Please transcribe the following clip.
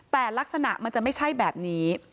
แต่ลักษณะมันจะไม่ใช่แบบนี้